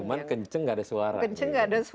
cuman kenceng nggak ada suara